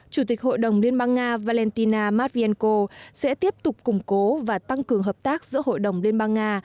chủ tịch hội đồng liên bang nga valentina matvienko sẽ tiếp tục củng cố và tăng cường hợp tác giữa hội đồng liên bang nga